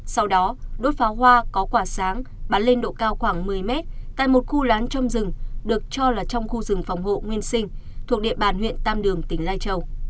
sau đó đốt pháo hoa có quả sáng bắn lên độ cao khoảng một mươi mét tại một khu lán trong rừng được cho là trong khu rừng phòng hộ nguyên sinh thuộc địa bàn huyện tam đường tỉnh lai châu